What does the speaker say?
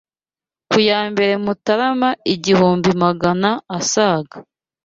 Ku ya mbere Mutarama igihumbi Magana asaga